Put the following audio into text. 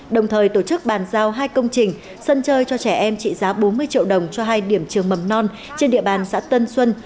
đồng thời tổ chức bàn giao hai công trình sân chơi cho trẻ em trị giá bốn mươi triệu đồng cho hai điểm trường mầm non trên địa bàn xã tân xuân